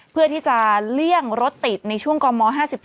เพื่อที่จะเลี่ยงรถติดในช่วงกม๕๒